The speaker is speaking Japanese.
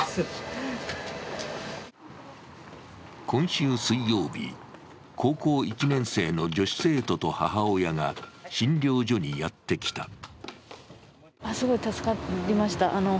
今週水曜日、高校１年生の女子生徒と母親が診療所にやってきた。